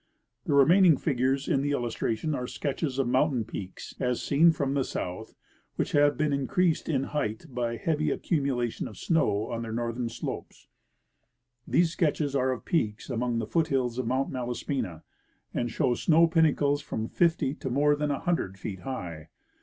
The remaining figures in the illustration are sketches of mountain peaks, as seen from the south, which have been increased in height by a heavy accumulation of snow on their northern slopes. These sketches are of peaks among the foothills of Mount Malaspina, and show snow pinnacles from fifty to more than a hundred feet high.